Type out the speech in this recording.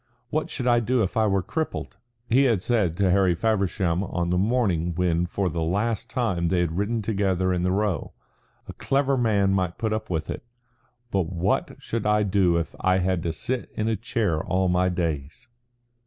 "What should I do if I were crippled?" he had said to Harry Feversham on the morning when for the last time they had ridden together in the Row. "A clever man might put up with it. But what should I do if I had to sit in a chair all my days?"